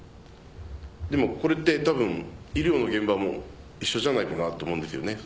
でもこれって多分医療の現場も一緒じゃないかなと思うんですよ。